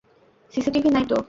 CCTV নাই তো?